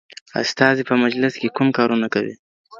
استازي په مجلس کي کوم کارونه کوي؟